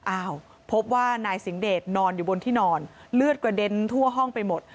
อ้าวพบว่านายสิงเดชนอนอยู่บนที่นอนเลือดกระเด็นทั่วห้องไปหมด